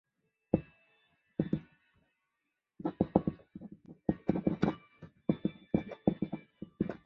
所以巨超龙只是超龙的次异名。